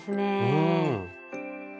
うん。